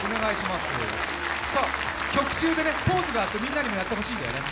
曲中でポーズがあってみんなにもやってほしいんだよね？